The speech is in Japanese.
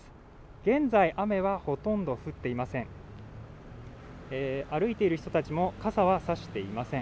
現在、雨はほとんど降っていません。